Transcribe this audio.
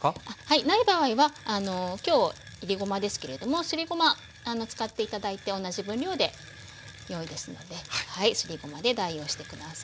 ない場合は今日いりごまですけれどもすりごま使って頂いて同じ分量でよいですのですりごまで代用して下さい。